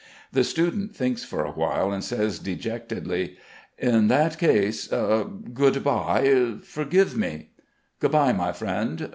The student thinks for a while and says, dejectedly: "In that case, good bye.... Forgive me!" "Good bye, my friend....